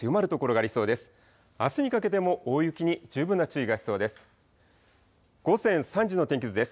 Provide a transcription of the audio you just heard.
あすにかけても大雪に十分な注意が必要です。